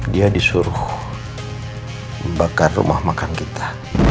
dia disuruh membakar rumah makan kita